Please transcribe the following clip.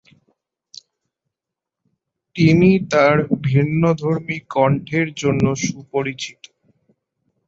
তিনি তার ভিন্নধর্মী কণ্ঠের জন্য সুপরিচিত।